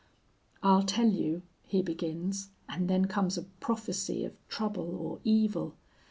'I'll tell you,' he begins, and then comes a prophecy of trouble or evil.